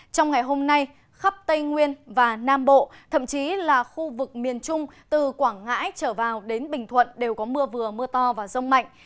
trong ngày hôm nay khắp tây nguyên và nam bộ thậm chí là khu vực miền trung từ quảng ngãi trở vào đến bình thuận đều có mưa vừa mưa to và rông mạnh